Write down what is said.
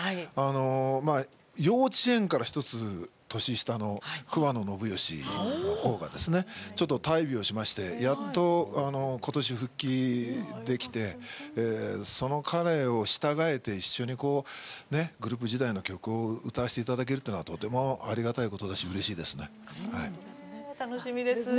幼稚園から１つ年下の桑野信義のほうが大病をしましてやっと今年、復帰できてその彼を従えて一緒にグループ時代の曲を歌わせていただけるのはとても、ありがたいことですしうれしいですね。